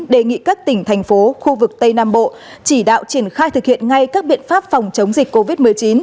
đề nghị các tỉnh thành phố khu vực tây nam bộ chỉ đạo triển khai thực hiện ngay các biện pháp phòng chống dịch covid một mươi chín